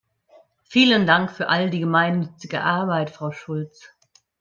Vielen Dank für all die gemeinnützige Arbeit, Frau Schulz!